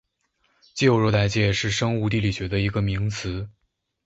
旧热带界是生物地理学的一个名词。